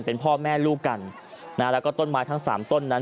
เป็นพ่อแม่ลูกกันนะฮะแล้วก็ต้นไม้ทั้งสามต้นนั้น